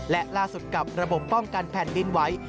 และล่าสุดกับระบบป้องกันแผ่นดินไหว